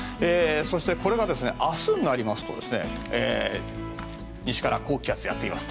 そして、これが明日になりますと西から高気圧がやってきます。